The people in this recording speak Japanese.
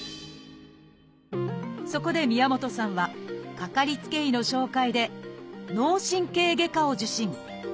そこで宮本さんはかかりつけ医の紹介で脳神経外科を受診。